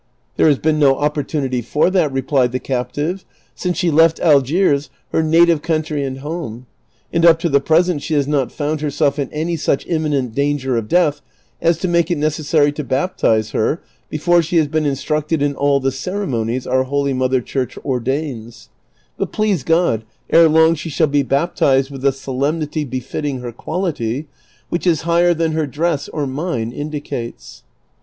" There has been no opportunity^ for that," replied the cap tive, "since she left Algiers, her native country and home; and up to the present she has not found herself in any such imminent danger of death as to make it necessary to baptize her before she has been instructed in all the ceremonies our holy mother Church ordains ; but, please God, ere long she shall be baptized with the solemnity befitting her quality, which is higher than her dress or mine indicates."